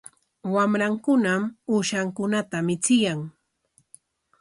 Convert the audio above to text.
Wamrankunam uushankunata michiyan.